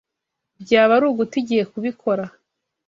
Byaba ari uguta igihe kubikora